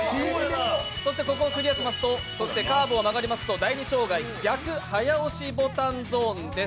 そしてここをクリアしてカーブを曲がりますと第２障害逆早押しボタンゾーンです。